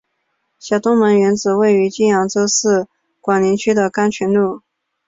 小东门原址位于今扬州市广陵区的甘泉路。